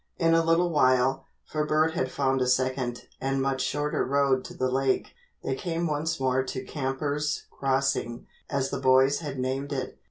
In a little while, for Bert had found a second and much shorter road to the lake, they came once more to "Campers' Crossing" as the boys had named it.